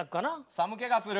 寒気がする。